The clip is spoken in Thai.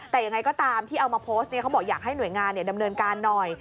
แต่ยังไงก็ตามที่เอามาโพสต์เขาบอกอยากให้หน่วยงานดำเนินการหน่อย